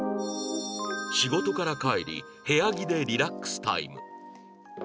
仕事から帰り部屋着でリラックスタイム